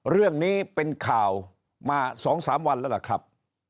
เรื่องนี้เป็นข่าวมา๒๓วันแล้วล่ะครับ